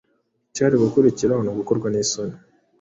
Icyari gukurikiraho ni ugukorwa n’isoni